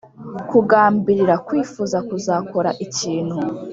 kugambirira: kwifuza kuzakora ikintu